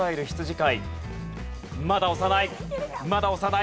まだ押さない。